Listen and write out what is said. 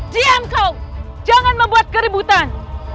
diam kau jangan membuat keributan